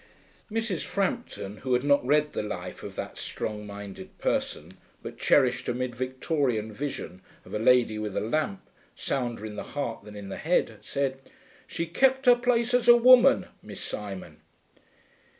Mrs. Frampton, who had not read the life of that strong minded person, but cherished a mid Victorian vision of a lady with a lamp, sounder in the heart than in the head, said, 'She kept her place as a woman, Miss Simon.'